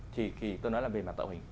thì tôi nói là về mặt tạo hình